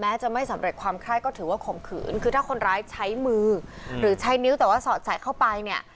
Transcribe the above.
แม้จะไม่สำเร็จความไคร้ก็ถือว่าข่มขืนคือถ้าคนร้ายใช้มือหรือใช้นิ้วแต่ว่าสอดใส่เข้าไปเนี่ย